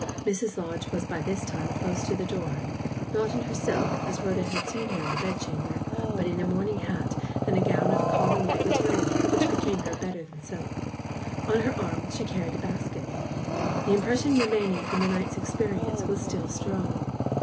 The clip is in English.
Mrs. Lodge was by this time close to the door—not in her silk, as Rhoda had seen her in the bed chamber, but in a morning hat, and gown of common light material, which became her better than silk. On her arm she carried a basket. The impression remaining from the night's experience was still strong.